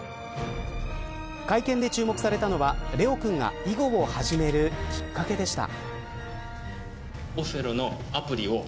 会見で注目されたのは怜央くんが囲碁を始めるきっかけでした。